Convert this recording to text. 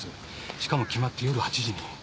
しかも決まって夜８時に。